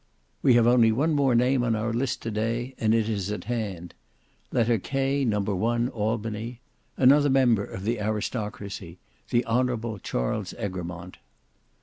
"We have only one more name on our list to day, and it is at hand. Letter K, No.1, Albany. Another member of the aristocracy, the Honourable Charles Egremont."